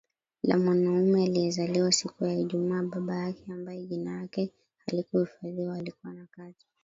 la mwanamume aliyezaliwa siku ya IjumaaBaba yake ambaye jina lake halikuhifadhiwa alikuwa na kazi